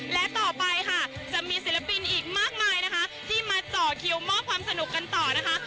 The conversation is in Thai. และต่อไปค่ะจะมีศิลปินอีกมากมายนะคะที่มาเจาะคิวมอบความสนุกกันต่อนะคะ